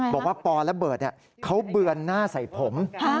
บอกว่าปอระเบิดเขาเบือนหน้าใส่ผม